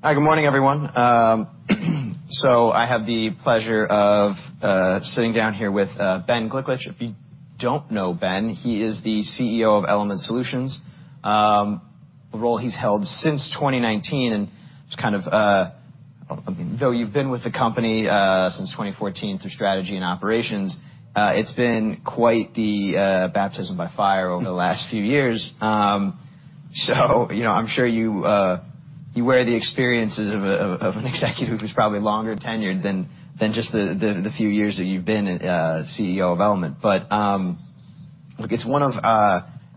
Hi, good morning, everyone. I have the pleasure of sitting down here with Ben Gliklich. If you don't know Ben, he is the CEO of Element Solutions, a role he's held since 2019, and it's kind of, though you've been with the company since 2014 through strategy and operations, it's been quite the baptism by fire over the last few years. You know, I'm sure you wear the experiences of an executive who's probably longer tenured than just the few years that you've been CEO of Element. Look, it's one of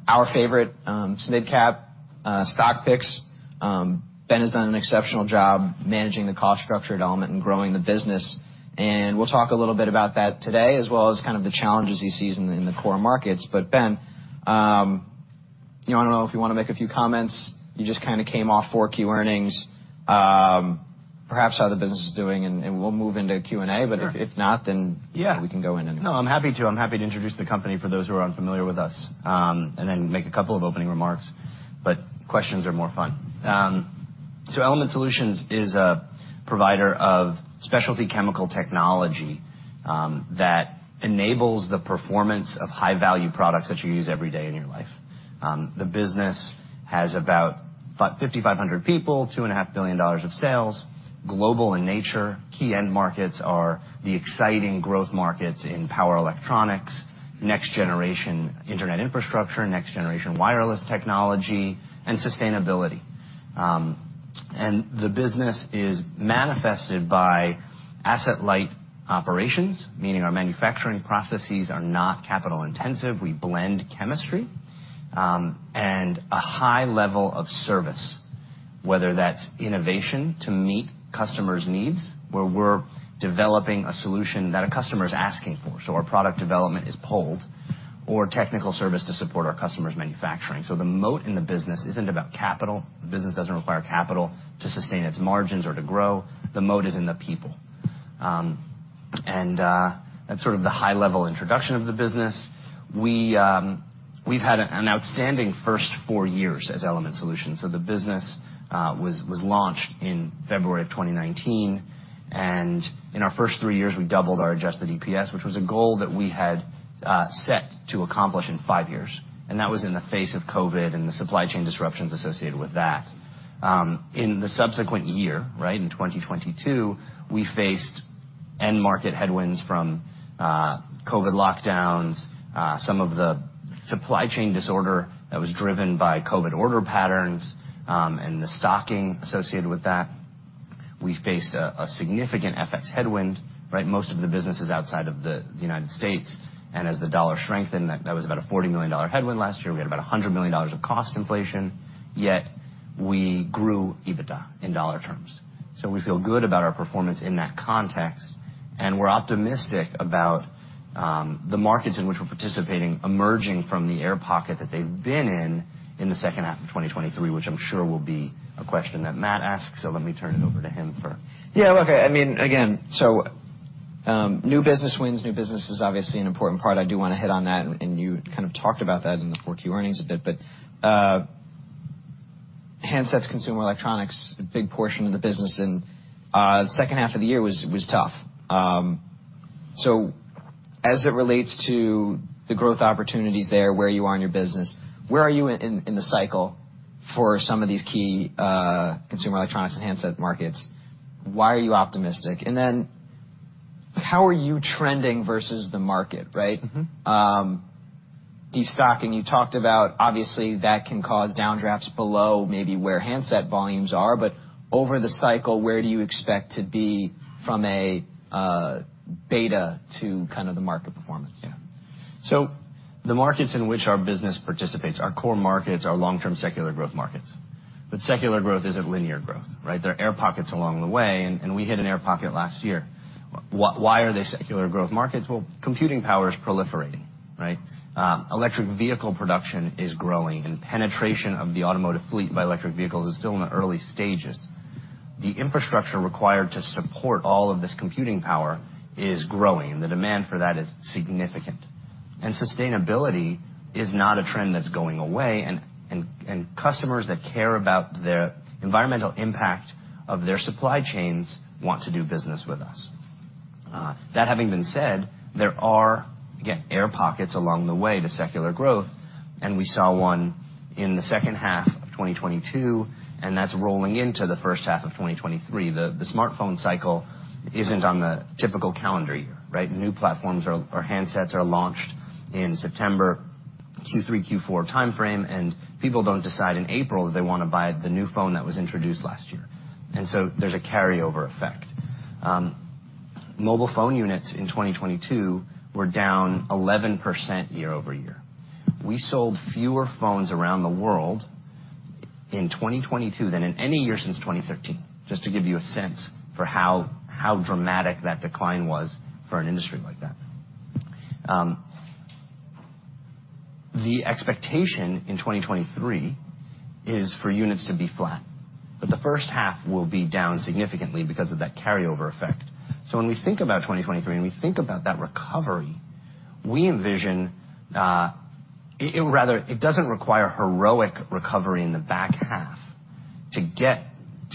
our favorite SMID-cap stock picks. Ben has done an exceptional job managing the cost structure at Element and growing the business, and we'll talk a little bit about that today, as well as kind of the challenges he sees in the core markets. Ben, you know, I don't know if you wanna make a few comments. You just kinda came off 4Q earnings, perhaps how the business is doing, and we'll move into Q&A. Sure. If not. Yeah. We can go in anyway. I'm happy to. I'm happy to introduce the company for those who are unfamiliar with us, and then make a couple of opening remarks, but questions are more fun. Element Solutions is a provider of specialty chemical technology that enables the performance of high-value products that you use every day in your life. The business has about 5,500 people, $2.5 billion of sales, global in nature. Key end markets are the exciting growth markets in power electronics, next generation internet infrastructure, next generation wireless technology and sustainability. The business is manifested by asset-light operations, meaning our manufacturing processes are not capital intensive. We blend chemistry and a high level of service, whether that's innovation to meet customers' needs, where we're developing a solution that a customer is asking for, so our product development is pulled, or technical service to support our customers' manufacturing. The moat in the business isn't about capital. The business doesn't require capital to sustain its margins or to grow. The moat is in the people. That's sort of the high level introduction of the business. We've had an outstanding first four years as Element Solutions. The business was launched in February of 2019, and in our first three years, we doubled our adjusted EPS, which was a goal that we had set to accomplish in five years. That was in the face of COVID and the supply chain disruptions associated with that. In the subsequent year, right, in 2022, we faced end market headwinds from COVID lockdowns, some of the supply chain disorder that was driven by COVID order patterns, and the stocking associated with that. We faced a significant FX headwind, right? Most of the businesses outside of the United States, and as the dollar strengthened, that was about a $40 million headwind last year. We had about a $100 million of cost inflation, yet we grew EBITDA in dollar terms. We feel good about our performance in that context, and we're optimistic about the markets in which we're participating emerging from the air pocket that they've been in in the second half of 2023, which I'm sure will be a question that Matt asks, let me turn it over to him. Yeah, look, I mean, again, new business wins. New business is obviously an important part. I do wanna hit on that, and you kind of talked about that in the 4Q earnings a bit. Handsets consumer electronics, a big portion of the business and the second half of the year was tough. As it relates to the growth opportunities there, where you are in your business, where are you in the cycle for some of these key consumer electronics and handset markets? Why are you optimistic? How are you trending versus the market, right? Mm-hmm. Destocking, you talked about, obviously, that can cause downdrafts below maybe where handset volumes are. Over the cycle, where do you expect to be from a beta to kind of the market performance? The markets in which our business participates are core markets are long-term secular growth markets. Secular growth isn't linear growth, right? There are air pockets along the way, and we hit an air pocket last year. Why are they secular growth markets? Computing power is proliferating, right? Electric vehicle production is growing, and penetration of the automotive fleet by electric vehicles is still in the early stages. The infrastructure required to support all of this computing power is growing. The demand for that is significant. Sustainability is not a trend that's going away, and customers that care about their environmental impact of their supply chains want to do business with us. That having been said, there are, again, air pockets along the way to secular growth, and we saw one in the second half of 2022, and that's rolling into the first half of 2023. The smartphone cycle isn't on the typical calendar year, right? New platforms or handsets are launched in September Q3-Q4 timeframe, and people don't decide in April that they wanna buy the new phone that was introduced last year. There's a carryover effect. Mobile phone units in 2022 were down 11% year-over-year. We sold fewer phones around the world in 2022 than in any year since 2013, just to give you a sense for how dramatic that decline was for an industry like that. The expectation in 2023 is for units to be flat, but the first half will be down significantly because of that carryover effect. When we think about 2023, and we think about that recovery, we envision, rather, it doesn't require heroic recovery in the back half to get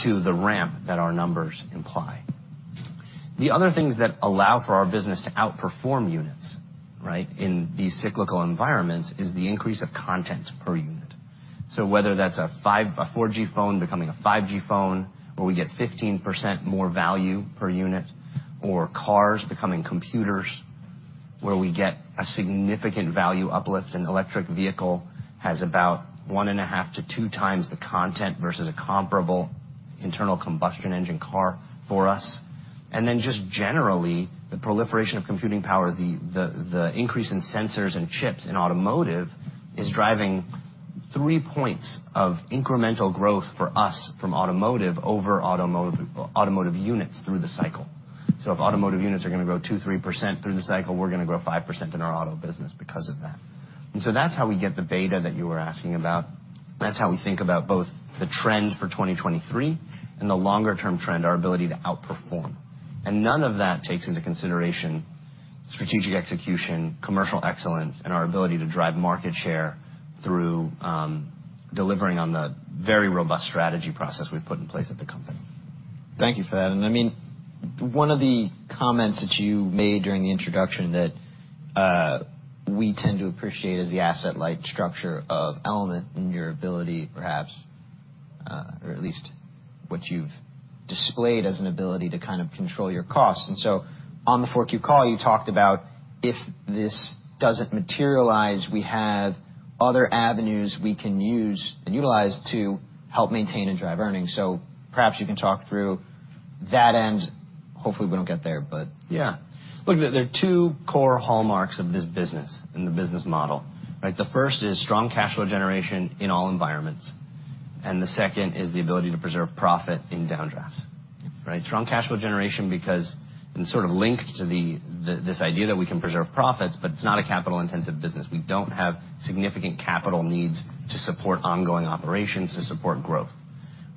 to the ramp that our numbers imply. The other things that allow for our business to outperform units, right, in these cyclical environments is the increase of content per unit. Whether that's a 4G phone becoming a 5G phone, where we get 15% more value per unit, or cars becoming computers, where we get a significant value uplift. An electric vehicle has about 1.5x to 2x the content versus a comparable internal combustion engine car for us. Just generally, the proliferation of computing power, the increase in sensors and chips in automotive is driving 3 points of incremental growth for us from automotive over automotive units through the cycle. If automotive units are going to grow 2%-3% through the cycle, we're going to grow 5% in our Auto business because of that. That's how we get the beta that you were asking about. That's how we think about both the trend for 2023 and the longer-term trend, our ability to outperform. None of that takes into consideration strategic execution, commercial excellence, and our ability to drive market share through delivering on the very robust strategy process we've put in place at the company. Thank you for that. I mean, one of the comments that you made during the introduction that we tend to appreciate is the asset-light structure of Element and your ability, perhaps, or at least what you've displayed as an ability to kind of control your costs. On the 4Q call, you talked about if this doesn't materialize, we have other avenues we can use and utilize to help maintain and drive earnings. Perhaps you can talk through that end. Hopefully, we don't get there, but. Yeah. Look, there are two core hallmarks of this business and the business model, right? The first is strong cash flow generation in all environments. The second is the ability to preserve profit in downdrafts, right? Strong cash flow generation because, and sort of linked to this idea that we can preserve profits, but it's not a capital-intensive business. We don't have significant capital needs to support ongoing operations to support growth,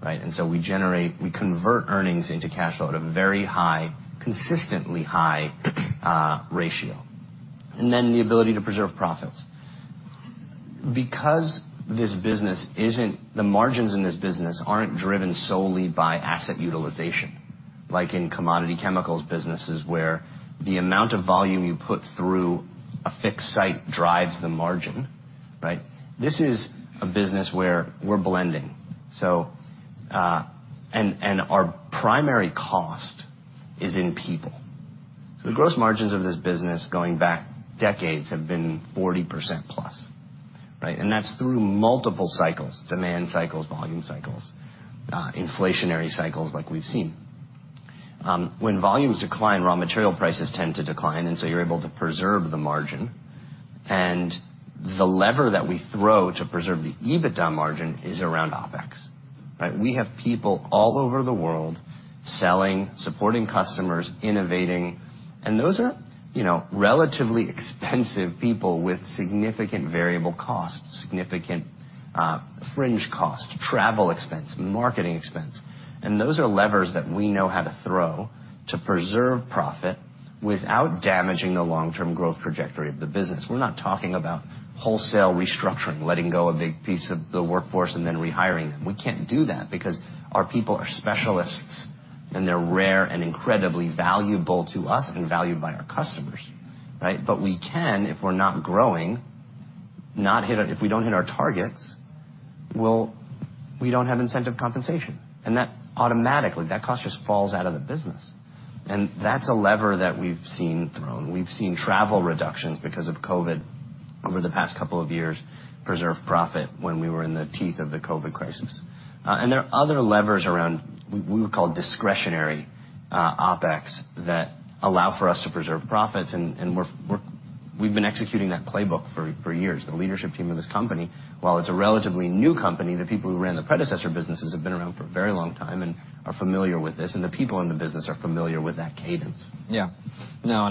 right? We generate, we convert earnings into cash flow at a very high, consistently high ratio. The ability to preserve profits. Because the margins in this business aren't driven solely by asset utilization, like in commodity chemicals businesses, where the amount of volume you put through a fixed site drives the margin, right? This is a business where we're blending, our primary cost is in people. The gross margins of this business going back decades have been 40% plus, right? That's through multiple cycles, demand cycles, volume cycles, inflationary cycles like we've seen. When volumes decline, raw material prices tend to decline, you're able to preserve the margin. The lever that we throw to preserve the EBITDA margin is around OpEx, right? We have people all over the world selling, supporting customers, innovating, and those are, you know, relatively expensive people with significant variable costs, significant fringe cost, travel expense, marketing expense. Those are levers that we know how to throw to preserve profit without damaging the long-term growth trajectory of the business. We're not talking about wholesale restructuring, letting go a big piece of the workforce and then rehiring them. We can't do that because our people are specialists, and they're rare and incredibly valuable to us and valued by our customers, right? We can, if we're not growing, if we don't hit our targets, we don't have incentive compensation. That automatically, that cost just falls out of the business. That's a lever that we've seen thrown. We've seen travel reductions because of COVID over the past couple of years preserve profit when we were in the teeth of the COVID crisis. There are other levers around we would call discretionary OpEx that allow for us to preserve profits, and we've been executing that playbook for years. The leadership team of this company, while it's a relatively new company, the people who ran the predecessor businesses have been around for a very long time and are familiar with this, and the people in the business are familiar with that cadence. Yeah. No,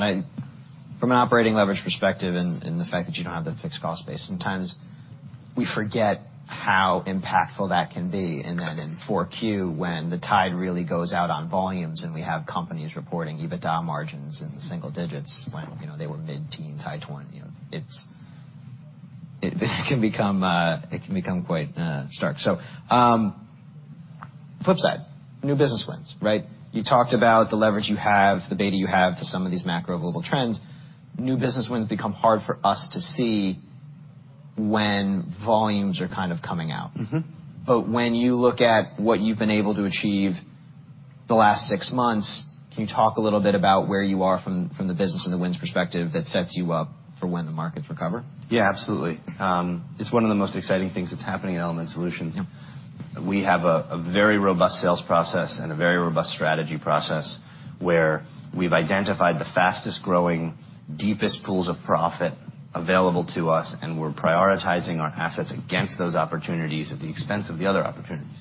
from an operating leverage perspective and the fact that you don't have the fixed cost base, sometimes we forget how impactful that can be. In 4Q, when the tide really goes out on volumes and we have companies reporting EBITDA margins in the single digits when, you know, they were mid-teens, high 20%, you know, it's, it can become quite stark. Flip side, new business wins, right? You talked about the leverage you have, the beta you have to some of these macro global trends. New business wins become hard for us to see when volumes are kind of coming out. Mm-hmm. When you look at what you've been able to achieve the last six months, can you talk a little bit about where you are from the business and the wins perspective that sets you up for when the markets recover? Yeah, absolutely. It's one of the most exciting things that's happening at Element Solutions. Yeah. We have a very robust sales process and a very robust strategy process where we've identified the fastest-growing, deepest pools of profit available to us. We're prioritizing our assets against those opportunities at the expense of the other opportunities.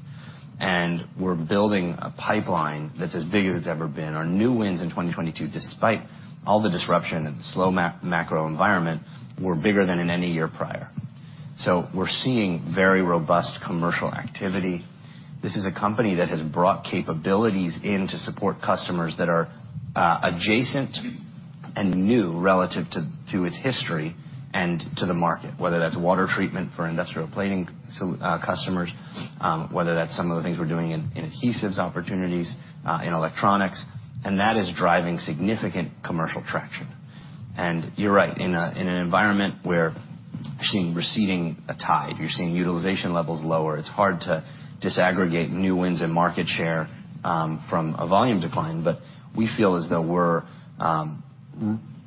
We're building a pipeline that's as big as it's ever been. Our new wins in 2022, despite all the disruption and slow macro environment, were bigger than in any year prior. We're seeing very robust commercial activity. This is a company that has brought capabilities in to support customers that are adjacent and new relative to its history and to the market, whether that's water treatment for industrial plating customers, whether that's some of the things we're doing in adhesives opportunities in electronics, and that is driving significant commercial traction. You're right. In a, in an environment where you're seeing receding a tide, you're seeing utilization levels lower, it's hard to disaggregate new wins and market share, from a volume decline. We feel as though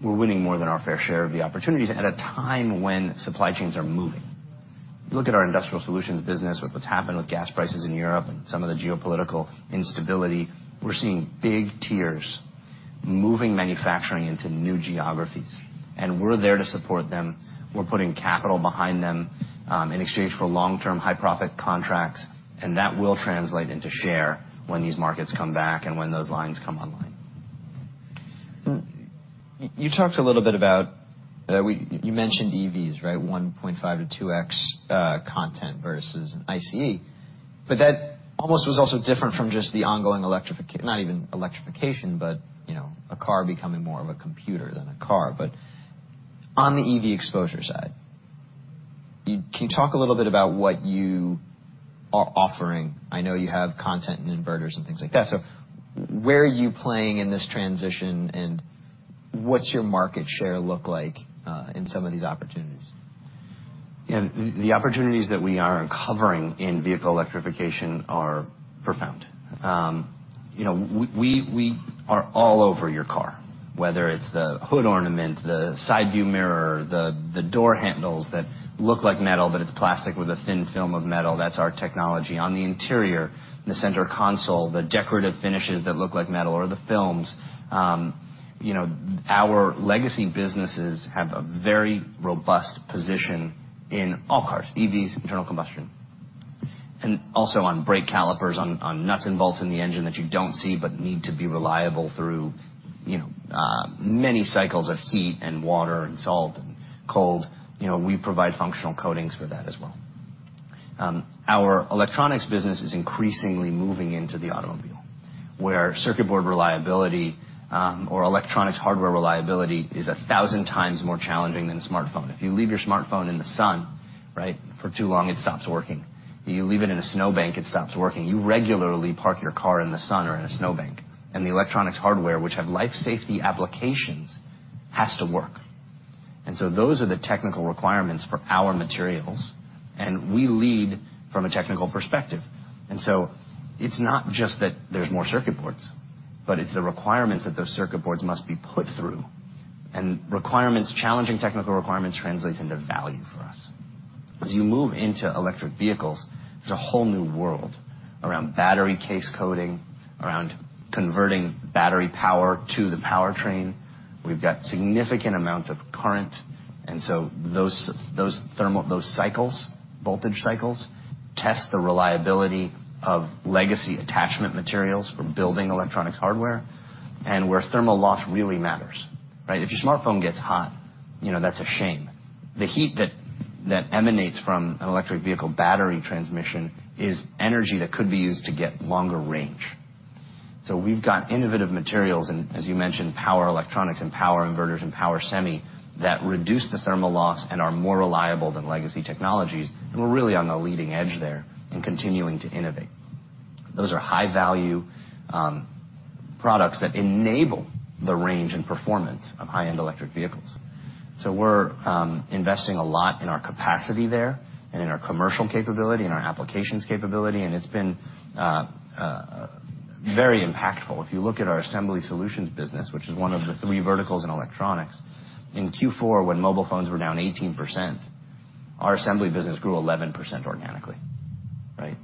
we're winning more than our fair share of the opportunities at a time when supply chains are moving. You look at our Industrial Solutions business with what's happened with gas prices in Europe and some of the geopolitical instability, we're seeing big tiers moving manufacturing into new geographies, and we're there to support them. We're putting capital behind them, in exchange for long-term high-profit contracts. That will translate into share when these markets come back and when those lines come online. You talked a little bit about, you mentioned EVs, right? 1.5x-2x content versus an ICE. That almost was also different from just the ongoing not even electrification, you know, a car becoming more of a computer than a car. On the EV exposure side, can you talk a little bit about what you are offering? I know you have content and inverters and things like that. Where are you playing in this transition, and what's your market share look like in some of these opportunities? Yeah. The opportunities that we are uncovering in vehicle electrification are profound. You know, we are all over your car, whether it's the hood ornament, the side view mirror, the door handles that look like metal but it's plastic with a thin film of metal. That's our technology. On the interior, the center console, the decorative finishes that look like metal or the films. You know, our legacy businesses have a very robust position in all cars, EVs, internal combustion. Also on brake calipers, on nuts and bolts in the engine that you don't see but need to be reliable through, you know, many cycles of heat and water and salt and cold. You know, we provide functional coatings for that as well. Our Electronics business is increasingly moving into the automobile, where circuit board reliability, or electronics hardware reliability is 1,000 times more challenging than a smartphone. If you leave your smartphone in the sun, right, for too long, it stops working. You leave it in a snowbank, it stops working. You regularly park your car in the sun or in a snowbank, and the electronics hardware, which have life safety applications, has to work. Those are the technical requirements for our materials, and we lead from a technical perspective. It's not just that there's more circuit boards, but it's the requirements that those circuit boards must be put through. Requirements, challenging technical requirements translates into value for us. As you move into electric vehicles, there's a whole new world around battery case coating, around converting battery power to the powertrain. We've got significant amounts of current. Those cycles, voltage cycles test the reliability of legacy attachment materials for building electronics hardware and where thermal loss really matters, right? If your smartphone gets hot, you know, that's a shame. The heat that emanates from an electric vehicle battery transmission is energy that could be used to get longer range. We've got innovative materials and, as you mentioned, power electronics and power inverters and power semi that reduce the thermal loss and are more reliable than legacy technologies, and we're really on the leading edge there in continuing to innovate. Those are high-value products that enable the range and performance of high-end electric vehicles. We're investing a lot in our capacity there and in our commercial capability and our applications capability, and it's been very impactful. If you look at our Assembly Solutions business, which is one of the three verticals in electronics, in Q4, when mobile phones were down 18%, our Assembly business grew 11% organically, right?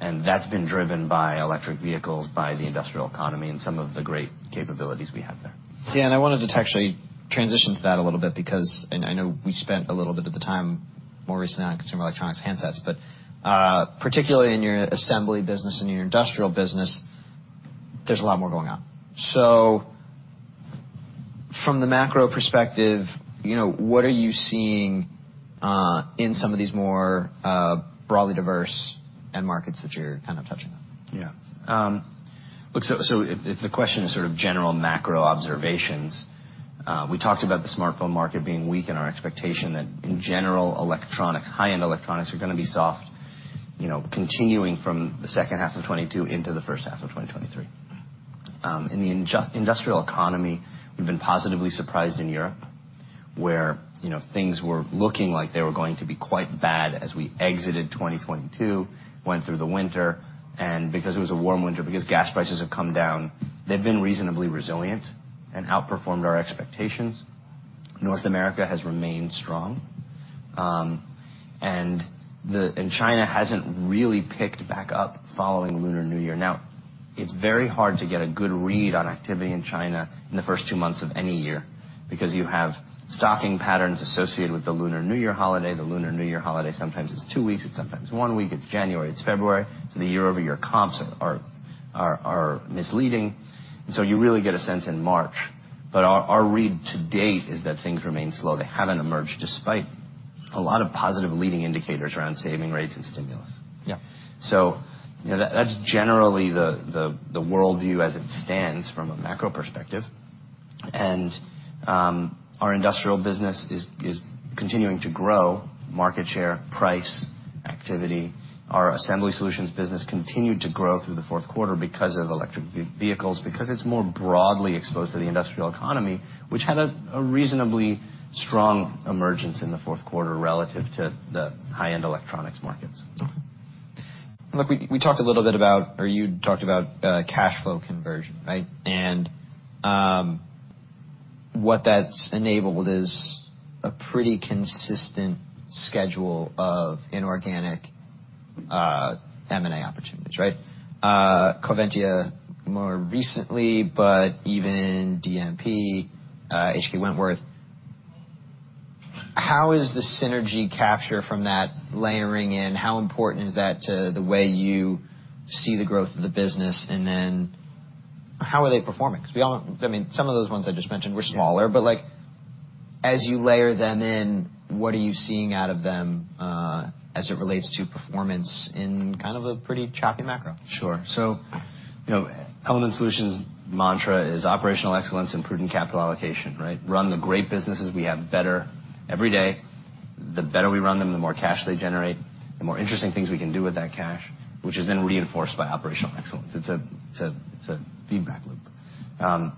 That's been driven by electric vehicles, by the industrial economy and some of the great capabilities we have there. Yeah. I wanted to actually transition to that a little bit because I know we spent a little bit of the time more recently on consumer electronics handsets. Particularly in your Assembly business and your Industrial business, there's a lot more going on. From the macro perspective, you know, what are you seeing in some of these more broadly diverse end markets that you're kind of touching on? Yeah. Look, if the question is sort of general macro observations, we talked about the smartphone market being weak and our expectation that in general, electronics, high-end electronics are gonna be soft, you know, continuing from the second half of 2022 into the first half of 2023. In the industrial economy, we've been positively surprised in Europe, where, you know, things were looking like they were going to be quite bad as we exited 2022, went through the winter. Because it was a warm winter, because gas prices have come down, they've been reasonably resilient and outperformed our expectations. North America has remained strong. China hasn't really picked back up following Lunar New Year. It's very hard to get a good read on activity in China in the first two months of any year because you have stocking patterns associated with the Lunar New Year holiday. The Lunar New Year holiday sometimes is two weeks. It's sometimes one week. It's January. It's February. The year-over-year comps are misleading. You really get a sense in March. Our read to date is that things remain slow. They haven't emerged despite a lot of positive leading indicators around saving rates and stimulus. Yeah. That's generally the worldview as it stands from a macro perspective. Our Industrial business is continuing to grow, market share, price, activity. Our Assembly Solutions business continued to grow through the fourth quarter because of electric vehicles, because it's more broadly exposed to the industrial economy, which had a reasonably strong emergence in the fourth quarter relative to the high-end electronics markets. Look, we talked a little bit about or you talked about cash flow conversion, right? What that's enabled is a pretty consistent schedule of inorganic M&A opportunities, right? Coventya more recently, but even DMP, H.K. Wentworth. How is the synergy capture from that layering in, how important is that to the way you see the growth of the business? How are they performing? Because we all... I mean, some of those ones I just mentioned were smaller, but, like, as you layer them in, what are you seeing out of them, as it relates to performance in kind of a pretty choppy macro? Sure. You know, Element Solutions' mantra is operational excellence and prudent capital allocation, right? Run the great businesses we have better every day. The better we run them, the more cash they generate, the more interesting things we can do with that cash, which is then reinforced by operational excellence. It's a feedback loop.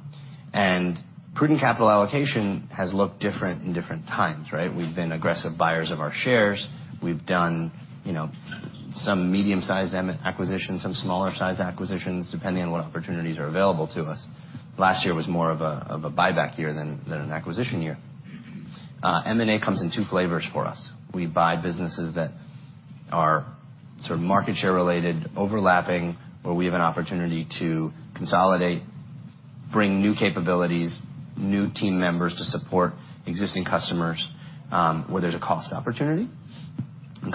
Prudent capital allocation has looked different in different times, right? We've been aggressive buyers of our shares. We've done, you know, some medium-sized acquisitions, some smaller sized acquisitions, depending on what opportunities are available to us. Last year was more of a, of a buyback year than an acquisition year. M&A comes in two flavors for us. We buy businesses that are sort of market share related, overlapping, where we have an opportunity to consolidate, bring new capabilities, new team members to support existing customers, where there's a cost opportunity.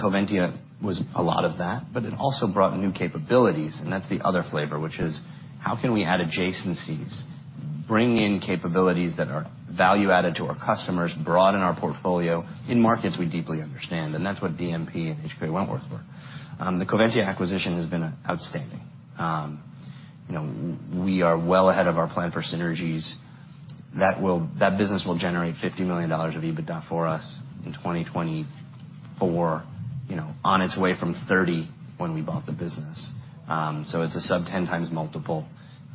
Coventya was a lot of that, but it also brought new capabilities, and that's the other flavor, which is how can we add adjacencies, bring in capabilities that are value added to our customers, broaden our portfolio in markets we deeply understand? That's what DMP and HK Wentworth were. The Coventya acquisition has been outstanding. You know, we are well ahead of our plan for synergies. That business will generate $50 million of EBITDA for us in 2024, you know, on its way from $30 million when we bought the business. It's a sub 10x multiple,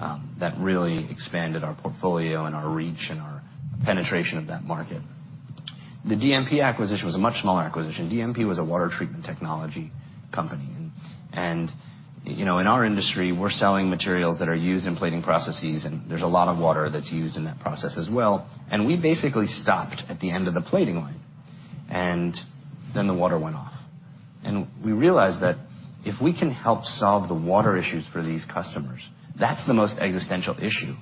that really expanded our portfolio and our reach and our penetration of that market. The DMP acquisition was a much smaller acquisition. DMP was a water treatment technology company. You know, in our industry, we're selling materials that are used in plating processes, and there's a lot of water that's used in that process as well. We basically stopped at the end of the plating line, and then the water went off. We realized that if we can help solve the water issues for these customers, that's the most existential issue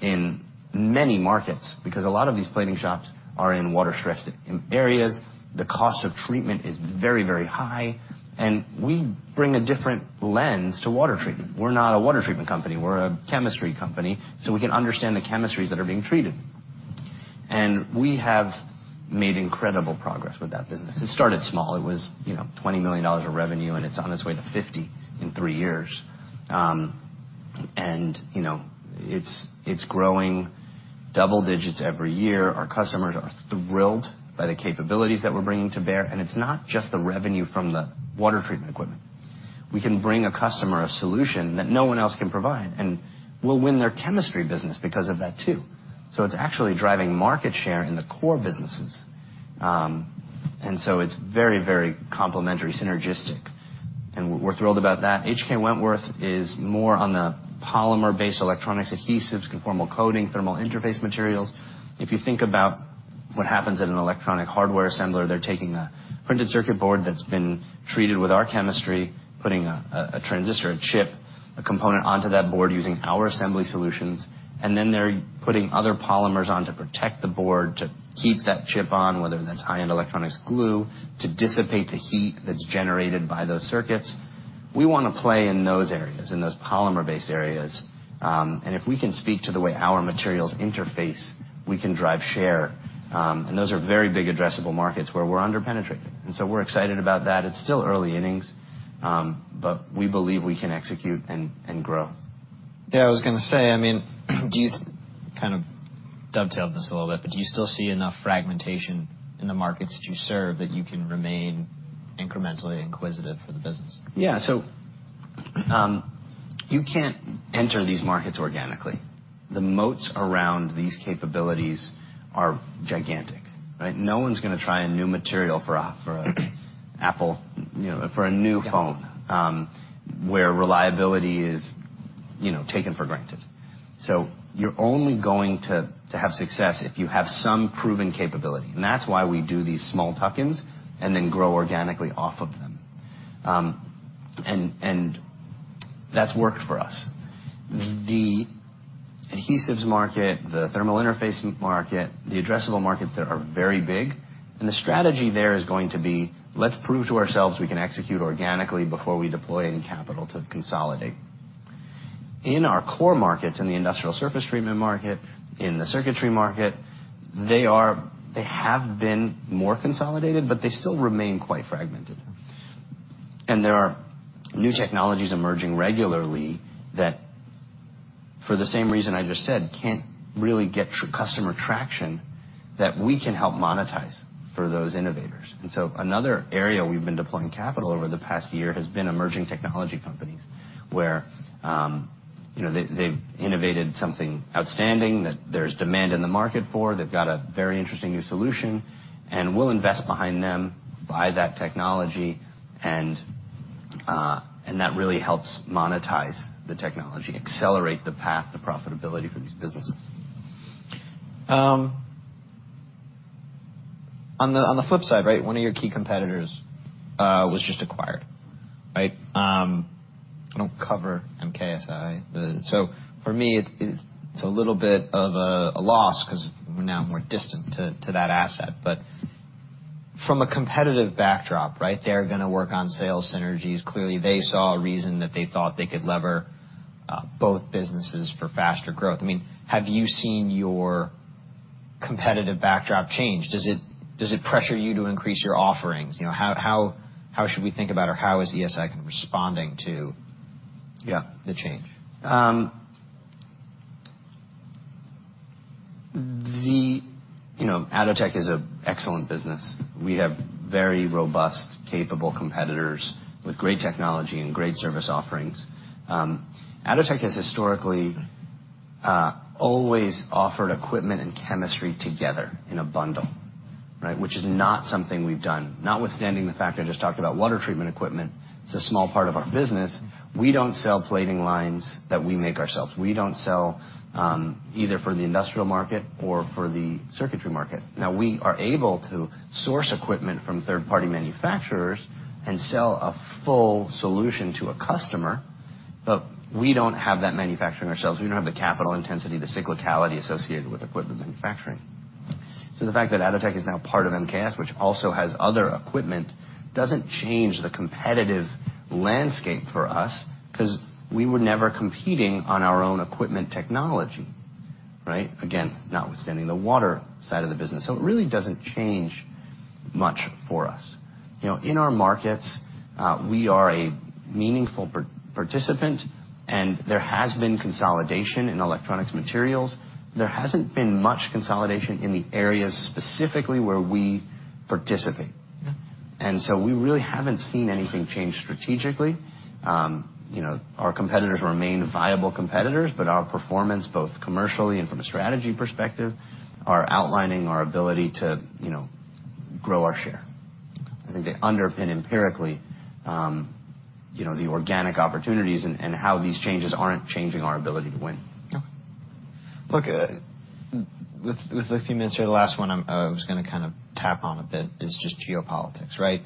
in many markets, because a lot of these plating shops are in water-stressed areas. The cost of treatment is very, very high, and we bring a different lens to water treatment. We're not a water treatment company, we're a chemistry company, so we can understand the chemistries that are being treated. We have made incredible progress with that business. It started small. It was, you know, $20 million of revenue, and it's on its way to 50 in three years. You know, it's growing double digits every year. Our customers are thrilled by the capabilities that we're bringing to bear. It's not just the revenue from the water treatment equipment. We can bring a customer a solution that no one else can provide, and we'll win their chemistry business because of that, too. It's actually driving market share in the core businesses. It's very, very complementary, synergistic, and we're thrilled about that. H.K. Wentworth is more on the polymer-based electronics adhesives, conformal coating, thermal interface materials. If you think about what happens at an electronic hardware assembler, they're taking a printed circuit board that's been treated with our chemistry, putting a transistor, a chip, a component onto that board using our Assembly Solutions, and then they're putting other polymers on to protect the board to keep that chip on, whether that's high-end electronics glue to dissipate the heat that's generated by those circuits. We wanna play in those areas, in those polymer-based areas. If we can speak to the way our materials interface, we can drive share. Those are very big addressable markets where we're under-penetrated. We're excited about that. It's still early innings, but we believe we can execute and grow. Yeah, I was gonna say, I mean, do you... Kind of dovetail this a little bit, but do you still see enough fragmentation in the markets that you serve that you can remain incrementally inquisitive for the business? Yeah. You can't enter these markets organically. The moats around these capabilities are gigantic, right? No one's gonna try a new material for a Apple, you know, for a new phone where reliability is, you know, taken for granted. You're only going to have success if you have some proven capability, and that's why we do these small tuck-ins and then grow organically off of them. That's worked for us. The adhesives market, the thermal interface market, the addressable markets that are very big. The strategy there is going to be, let's prove to ourselves we can execute organically before we deploy any capital to consolidate. In our core markets, in the industrial surface treatment market, in the circuitry market, they have been more consolidated, but they still remain quite fragmented. There are new technologies emerging regularly that, for the same reason I just said, can't really get true customer traction that we can help monetize for those innovators. Another area we've been deploying capital over the past year has been emerging technology companies, where, you know, they've innovated something outstanding that there's demand in the market for. They've got a very interesting new solution, and we'll invest behind them, buy that technology, and that really helps monetize the technology, accelerate the path to profitability for these businesses. On the, on the flip side, right, one of your key competitors was just acquired, right? I don't cover MKSI. For me, it's a little bit of a loss because we're now more distant to that asset. From a competitive backdrop, right, they're gonna work on sales synergies. Clearly, they saw a reason that they thought they could lever both businesses for faster growth. I mean, have you seen your competitive backdrop change? Does it pressure you to increase your offerings? You know, how should we think about or how is ESI kind of responding to-. Yeah. -the change? The... You know, Atotech is an excellent business. We have very robust, capable competitors with great technology and great service offerings. Atotech has historically always offered equipment and chemistry together in a bundle, right? Which is not something we've done. Notwithstanding the fact I just talked about water treatment equipment, it's a small part of our business, we don't sell plating lines that we make ourselves. We don't sell either for the industrial market or for the circuitry market. Now, we are able to source equipment from third-party manufacturers and sell a full solution to a customer, but we don't have that manufacturing ourselves. We don't have the capital intensity, the cyclicality associated with equipment manufacturing. The fact that Atotech is now part of MKS, which also has other equipment, doesn't change the competitive landscape for us because we were never competing on our own equipment technology, right? Again, notwithstanding the water side of the business. It really doesn't change much for us. You know, in our markets, we are a meaningful participant, and there has been consolidation in electronics materials. There hasn't been much consolidation in the areas specifically where we participate. Yeah. We really haven't seen anything change strategically. You know, our competitors remain viable competitors, but our performance, both commercially and from a strategy perspective, are outlining our ability to, you know, grow our share. Okay. I think they underpin empirically, you know, the organic opportunities and how these changes aren't changing our ability to win. Okay. Look, with a few minutes here, the last one I was gonna kind of tap on a bit is just geopolitics, right?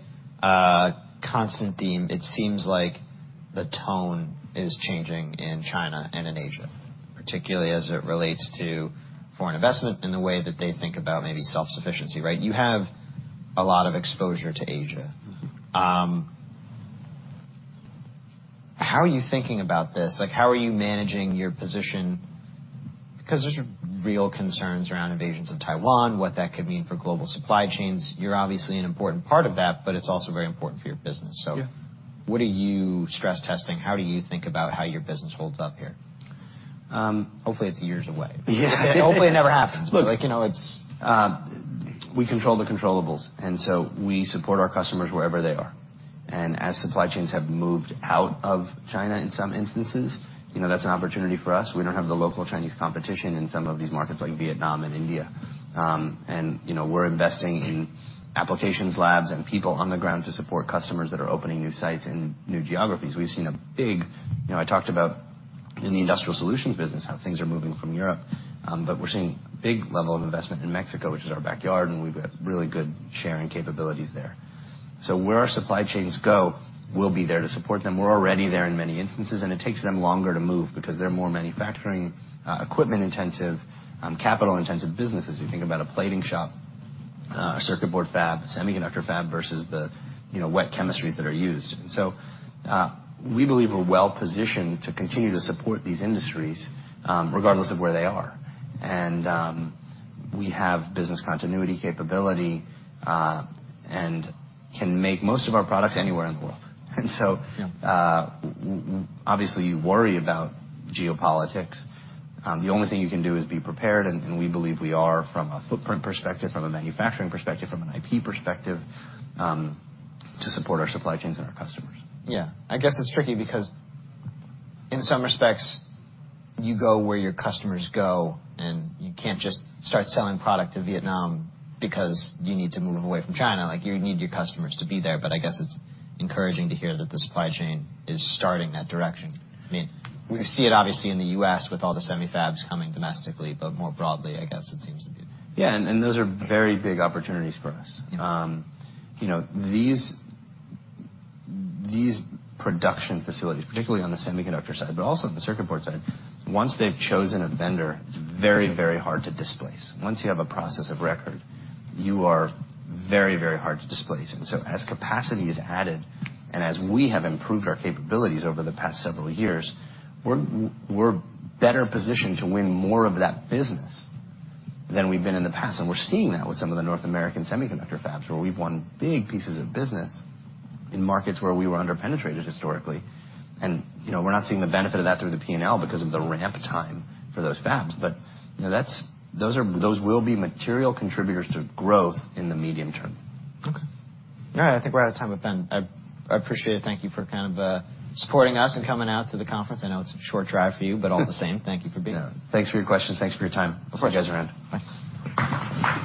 Constant theme. It seems like the tone is changing in China and in Asia, particularly as it relates to foreign investment in the way that they think about maybe self-sufficiency, right? You have a lot of exposure to Asia. Mm-hmm. How are you thinking about this? Like, how are you managing your position? There's real concerns around invasions of Taiwan, what that could mean for global supply chains. You're obviously an important part of that, but it's also very important for your business. Yeah. What are you stress testing? How do you think about how your business holds up here? Um- Hopefully, it's years away. Yeah. Hopefully, it never happens. Look- like, you know, it's... We control the controllables, we support our customers wherever they are. As supply chains have moved out of China in some instances, you know, that's an opportunity for us. We don't have the local Chinese competition in some of these markets like Vietnam and India. We're investing in applications labs and people on the ground to support customers that are opening new sites in new geographies. We've seen a big. You know, I talked about in the Industrial Solutions business, how things are moving from Europe, but we're seeing a big level of investment in Mexico, which is our backyard, and we've got really good sharing capabilities there. Where our supply chains go, we'll be there to support them. We're already there in many instances, it takes them longer to move because they're more manufacturing, equipment-intensive, capital-intensive businesses. You think about a plating shop, a circuit board fab, semiconductor fab versus the, you know, wet chemistries that are used. We believe we're well positioned to continue to support these industries, regardless of where they are. We have business continuity capability, and can make most of our products anywhere in the world. Yeah. obviously, you worry about geopolitics. The only thing you can do is be prepared, and we believe we are from a footprint perspective, from a manufacturing perspective, from an IP perspective, to support our supply chains and our customers. Yeah. I guess it's tricky because in some respects, you go where your customers go, and you can't just start selling product to Vietnam because you need to move away from China. Like, you need your customers to be there. I guess it's encouraging to hear that the supply chain is starting that direction. I mean, we see it obviously in the U.S. with all the semi fabs coming domestically. More broadly, I guess it seems to be. Yeah. Those are very big opportunities for us. Yeah. You know, these production facilities, particularly on the semiconductor side, but also on the circuit board side, once they've chosen a vendor, it's very, very hard to displace. Once you have a process of record, you are very, very hard to displace. As capacity is added and as we have improved our capabilities over the past several years, we're better positioned to win more of that business than we've been in the past. We're seeing that with some of the North American semiconductor fabs, where we've won big pieces of business in markets where we were under-penetrated historically. You know, we're not seeing the benefit of that through the P&L because of the ramp time for those fabs. You know, those will be material contributors to growth in the medium term. Okay. All right. I think we're out of time. Ben, I appreciate it. Thank you for kind of supporting us and coming out to the conference. I know it's a short drive for you. All the same, thank you for being here. Yeah. Thanks for your questions. Thanks for your time. Of course. I'll see you guys around. Bye.